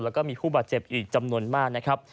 แล้วก็มีผู้บาดเจ็บอีกจำนวนมากนะครับ